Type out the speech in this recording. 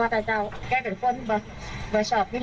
แล้วแกบอกเลยคุณแกก้าตอบเลย